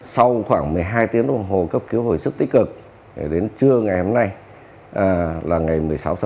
sau khoảng một mươi hai tiếng đồng hồ cấp cứu hồi sức tích cực đến trưa ngày hôm nay là ngày một mươi sáu một mươi sáu một mươi